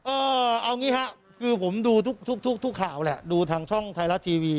เอางี้ฮะคือผมดูทุกทุกข่าวแหละดูทางช่องไทยรัฐทีวี